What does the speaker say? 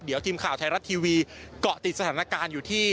เดี๋ยวทีมข่าวไทยรัฐทีวีเกาะติดสถานการณ์อยู่ที่